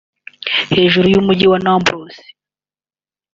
hejuru y'umujyi wa Nablus